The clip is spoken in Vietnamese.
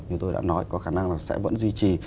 như tôi đã nói có khả năng là sẽ vẫn duy trì